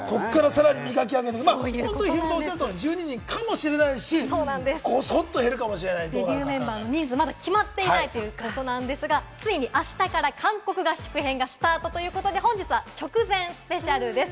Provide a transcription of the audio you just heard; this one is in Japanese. ここからさらに磨き上げて本当にヒロミさんがおっしゃる通り１２人かもしれないし、ごそっデビューメンバーの人数は揃っていないということですが、ついにあしたから韓国合宿編がスタートということで本日は直前スペシャルです。